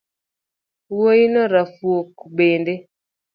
Wuoino rafuok bende